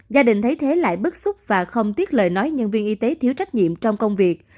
gia đình thấy thế lại bức xúc và không tiếc lời nói nhân viên y tế thiếu trách nhiệm trong công việc